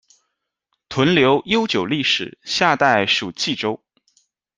屯留悠久历史，夏代属冀州。